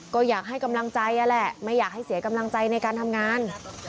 ก็อยากให้กำลังใจแหละไม่อยากให้เสียกำลังใจในการทำงาน